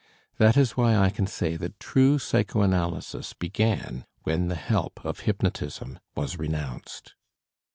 That is why I can say that true psychoanalysis began when the help of hypnotism was renounced.